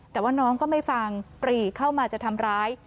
แต่ว่าน้องก็ไม่ฟังปรีเข้ามาจะทำร้าย